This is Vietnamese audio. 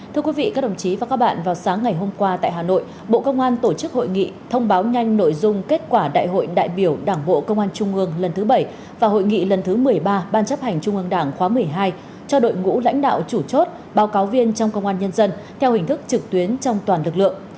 thưa quý vị các đồng chí và các bạn vào sáng ngày hôm qua tại hà nội bộ công an tổ chức hội nghị thông báo nhanh nội dung kết quả đại hội đại biểu đảng bộ công an trung ương lần thứ bảy và hội nghị lần thứ một mươi ba ban chấp hành trung ương đảng khóa một mươi hai cho đội ngũ lãnh đạo chủ chốt báo cáo viên trong công an nhân dân theo hình thức trực tuyến trong toàn lực lượng